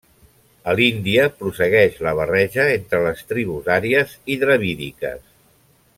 A l'Índia, prossegueix la barreja entre les tribus àries i dravídiques.